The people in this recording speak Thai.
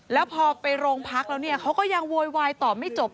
แล้วพอไปโรงพักแล้วเนี่ยเขาก็ยังโวยวายตอบไม่จบ